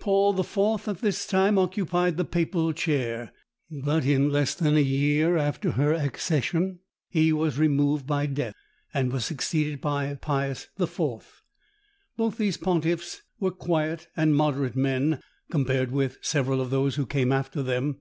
Paul IV. at this time occupied the papal chair: but in less than a year after her accession he was removed by death, and was succeeded by Pius IV. Both these pontiffs were quiet and moderate men, compared with several of those who came after them.